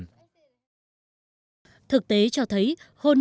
thực tế cho thấy hôn nhân của những phụ nữ bị mua bán là cuộc sống của nô lệ thời hiện đại